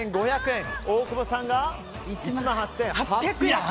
大久保さんが１万８８００円。